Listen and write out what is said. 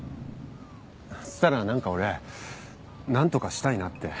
したら何か俺何とかしたいなって。